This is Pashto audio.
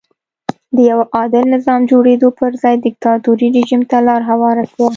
د یوه عادل نظام جوړېدو پر ځای دیکتاتوري رژیم ته لار هواره شوه.